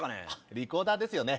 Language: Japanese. リコーダーですよね。